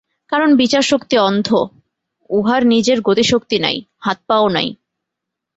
কারণ বিচারশক্তি অন্ধ, উহার নিজের গতিশক্তি নাই, হাত-পাও নাই।